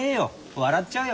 笑っちゃうよ。